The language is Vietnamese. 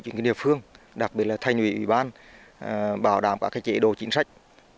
chính quyền địa phương đặc biệt là thành ủy ban bảo đảm các chế độ chính sách